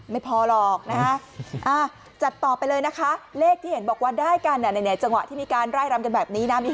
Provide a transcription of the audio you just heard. ไม่พอหรอกนะฮะจัดต่อไปเลยนะคะเลขที่เห็นบอกว่าได้กันจังหวะที่มีการไล่รำกันแบบนี้นะ